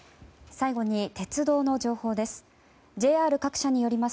最後に鉄道の情報です。